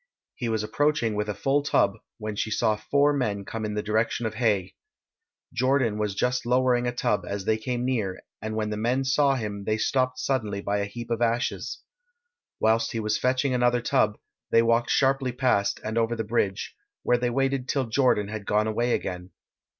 He was approaching with a full tub, when she saw four men come in the direction of Haigh. Jordan was just lowering a tub as they came near, and when the men saw him they stopped suddenly by a heap of ashes. Whilst he was fetching another tub they walked sharply past and over the bridge, where they waited till Jordan had gone away again.